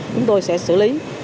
chúng tôi sẽ xử lý